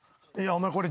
お前これ。